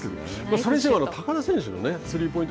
それにしても高田選手のスリーポイント